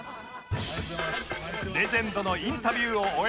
レジェンドのインタビューを終え